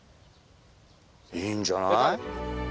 いいんじゃない？